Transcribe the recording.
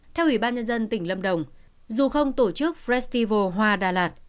theo ủy ban nhân dân tỉnh lâm đồng dù không tổ chức festival hoa đà lạt